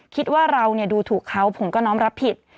คิดว่าเราดูถูกเขาผมก็น้อมรับผิด